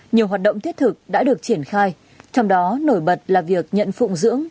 nhiều hoạt động thiết thực đã được triển khai trong đó nổi bật là việc nhận phụng dưỡng